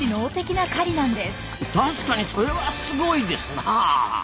確かにそれはすごいですなあ。